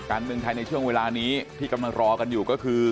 การเมืองไทยในช่วงเวลานี้ที่กำลังรอกันอยู่ก็คือ